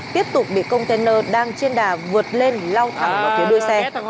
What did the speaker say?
tiếp tục bị container đang trên đà vượt lên lao thẳng vào phía đuôi xe